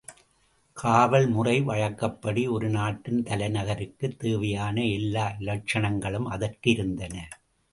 காவல்முறை வழக்கப்படி ஒரு நாட்டின் தலைநகருக்குத் தேவையான எல்லா இலட்சணங்களும் அதற்கு இருந்தன.